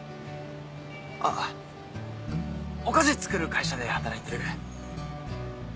あっお菓子作る会社で働いてる。